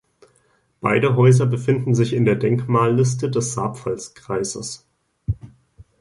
Beide Häuser befinden sich in der Denkmalliste des Saarpfalz-Kreises.